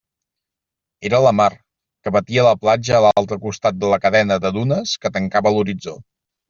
Era la mar, que batia la platja a l'altre costat de la cadena de dunes que tancava l'horitzó.